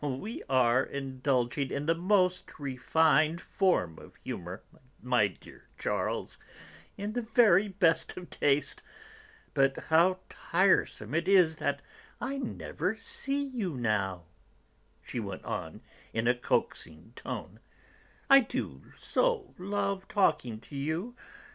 We are indulging in the most refined form of humour, my dear Charles, in the very best of taste but how tiresome it is that I never see you now," she went on in a coaxing tone, "I do so love talking to you.